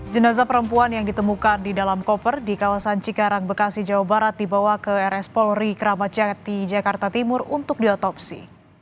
jenazah perempuan yang ditemukan di dalam koper di kawasan cikarang bekasi jawa barat dibawa ke rs polri keramat jati jakarta timur untuk diotopsi